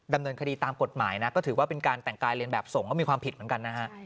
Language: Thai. ดำเนินคดีตามกฎหมายนะก็ถือว่าเป็นการแต่งกายเรียนแบบส่งก็มีความผิดเหมือนกันนะฮะ